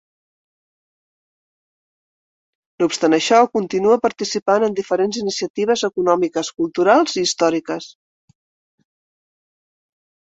No obstant això, continua participant en diferents iniciatives econòmiques, culturals i històriques.